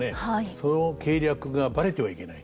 その計略がバレてはいけないと。